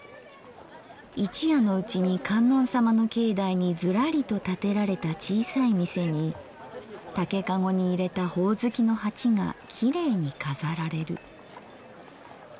一夜のうちに観音さまの境内にズラリと建てられた小さい店に竹籠にいれたほおずきの鉢がきれいにかざられる。